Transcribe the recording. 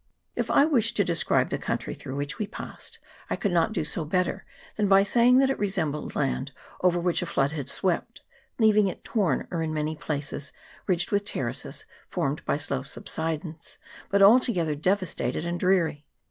If I wished to describe the country through which we passed, I could not do so better than by saying that it resembled land over which a flood had swept, leaving it torn, or in many places ridged with terraces formed by slow subsidence, but alto gether devastated and dreary.